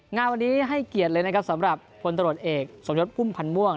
งานวันนี้ให้เกียรติเลยนะครับสำหรับพลตรวจเอกสมยศพุ่มพันธ์ม่วง